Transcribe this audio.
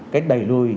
cái đẩy lùi